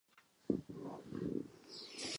Vyhledává vinohrady.